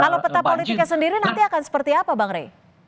kalau peta politiknya sendiri nanti akan seperti apa bang rey